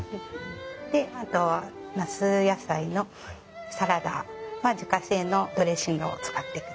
であとは那須野菜のサラダは自家製のドレッシングを使ってください。